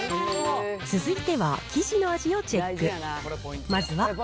続いては生地の味をチェック。